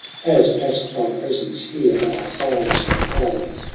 As, at thy prefence here, our fires grow pale.